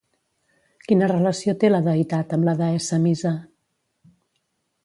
Quina relació té la deïtat amb la deessa Misa?